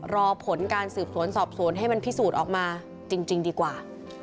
รอผลการสืบสวนสอบสวนให้มันพิสูจน์ออกมาจริงดีกว่า